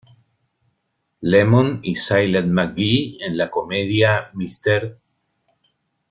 Lemon y Silent McGee en la comedia "Mr.